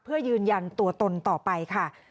เพื่อยืนยันตัวตนต่อไปค่ะ